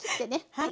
はい。